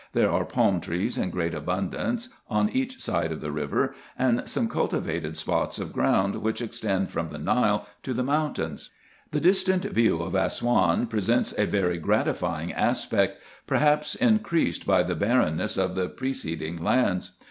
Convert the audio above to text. There are palm trees in great abundance, on each side of the river, and some cul tivated spots of ground, which extend from the Nile to the moun tains. The distant view of Assouan presents a very gratifying aspect, perhaps increased by the barrenness of the preceding lands.